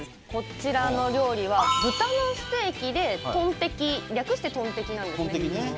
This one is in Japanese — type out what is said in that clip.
こちらの料理は「豚のステーキ」で「トンテキ」略して「トンテキ」なんですね。